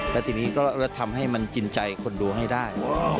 แล้วทีนี้ก็จะทำให้มันกินใจคนดูให้ได้